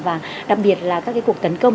và đặc biệt là các cuộc tấn công